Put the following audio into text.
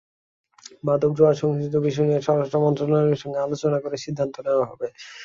মাদক, জুয়াসংশ্লিষ্ট বিষয় নিয়ে স্বরাষ্ট্র মন্ত্রণালয়ের সঙ্গে আলোচনা করে সিদ্ধান্ত নেওয়া হবে।